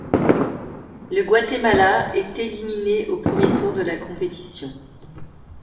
Le Guatemala est éliminé au premier tour de la compétition.